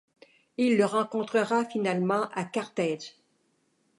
Il le rencontrera finalement à Carthage.